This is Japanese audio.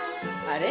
あれ？